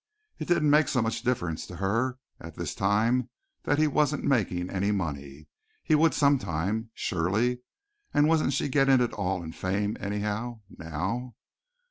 It didn't make so much difference to her at this time that he wasn't making any money. He would sometime, surely, and wasn't she getting it all in fame anyhow, now?